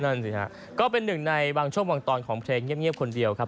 นั่นสิฮะก็เป็นหนึ่งในบางช่วงบางตอนของเพลงเงียบคนเดียวครับ